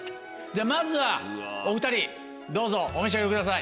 まずはお２人どうぞお召し上がりください。